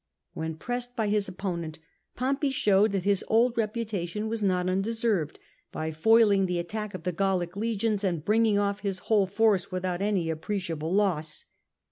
When pressed by his opponent, Pompey showed that his old reputation was not undeserved, by foiling the attack of the Gallic legions and bringing off' Ms whole force without any appreciable loss.